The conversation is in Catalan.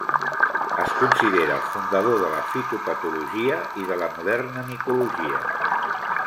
Es considera el fundador de la fitopatologia i de la moderna micologia.